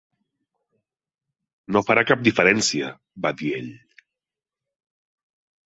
"No farà cap diferència," va dir ell.